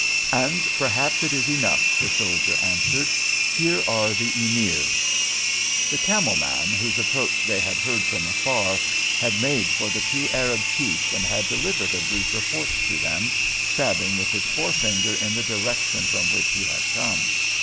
"And perhaps it is enough," the soldier answered. "Here are the Emirs." The camel man, whose approach they had heard from afar, had made for the two Arab chiefs, and had delivered a brief report to them, stabbing with his forefinger in the direction from which he had come.